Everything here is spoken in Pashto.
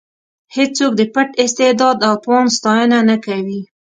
هېڅوک د پټ استعداد او توان ستاینه نه کوي.